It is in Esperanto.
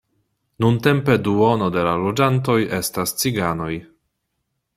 Nuntempe duono de la loĝantoj estas ciganoj.